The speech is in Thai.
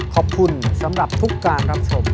ขอบคุณสำหรับทุกการรับชม